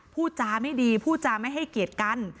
พูดจาไม่ดีพูดจาไม่ให้เกียรติกัน